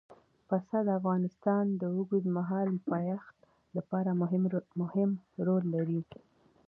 پسه د افغانستان د اوږدمهاله پایښت لپاره مهم رول لري.